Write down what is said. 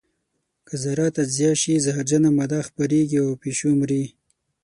که ذره تجزیه شي زهرجنه ماده خپرېږي او پیشو مري.